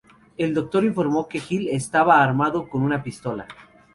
El doctor informó que Hill estaba armado con una pistola.